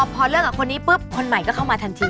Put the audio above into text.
พอเลิกกับคนนี้ปุ๊บคนใหม่ก็เข้ามาทันที